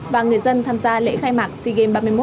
và người dân tham gia lễ khai mạc sigem ba mươi một